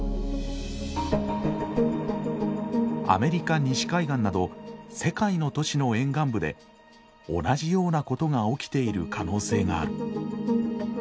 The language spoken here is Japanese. アメリカ西海岸など世界の都市の沿岸部で同じようなことが起きている可能性がある。